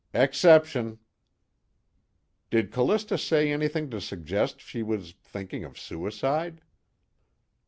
_ "Exception." "Did Callista say anything to suggest she was thinking of suicide?"